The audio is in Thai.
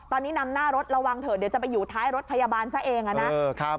ตอนนี้นำหน้ารถระวังเถอะเดี๋ยวจะไปอยู่ท้ายรถพยาบาลซะเองนะครับ